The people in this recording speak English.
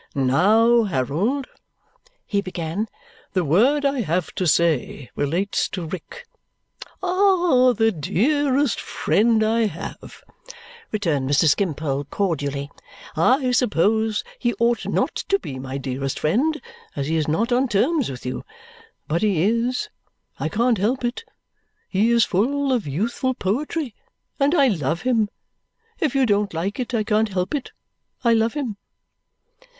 "Now, Harold," he began, "the word I have to say relates to Rick." "The dearest friend I have!" returned Mr. Skimpole cordially. "I suppose he ought not to be my dearest friend, as he is not on terms with you. But he is, I can't help it; he is full of youthful poetry, and I love him. If you don't like it, I can't help it. I love him."